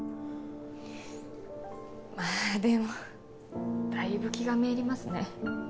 まぁでもだいぶ気が滅入りますね。